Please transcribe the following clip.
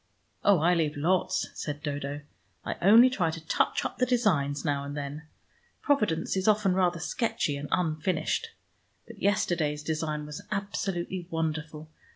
"Oh, I leave lots," said Dodo. "I only try to touch up the designs now and then. Providence is often rather sketchy and unfinished. But yesterday's design was absolutely wonderful.